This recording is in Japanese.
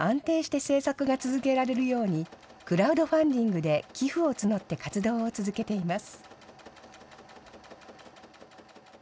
ことし３月、莉心さんは安定して製作が続けられるように、クラウドファンディングで寄付を募って活動を続けています。